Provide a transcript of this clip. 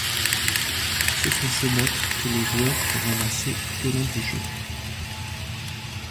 Ce sont ses notes que le joueur peut ramasser tout au long du jeu.